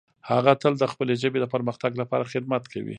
هغه تل د خپلې ژبې د پرمختګ لپاره خدمت کوي.